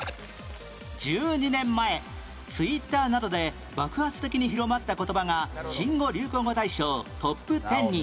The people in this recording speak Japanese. １２年前ツイッターなどで爆発的に広まった言葉が新語・流行語大賞トップ１０に